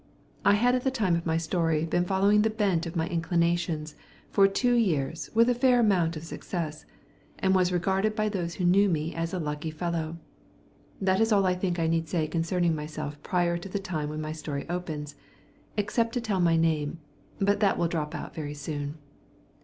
I had at the time of my story been following the bent of my inclinations for two years with a fair amount of success, and was regarded by those who knew me as a lucky fellow. That is all I think I need say concerning myself prior to the time when my story opens, except to tell my name; but that will drop out very soon.